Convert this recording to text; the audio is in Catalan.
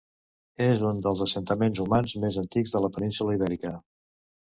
És un dels assentaments humans més antics de la península Ibèrica.